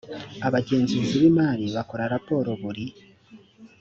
abagenzuzi b imari bakora raporo buri